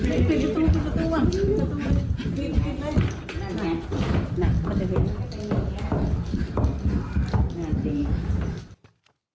ประถุไทย